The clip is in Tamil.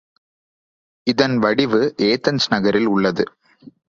இதன் வடிவு ஏதன்ஸ் நகரில் உள்ளது.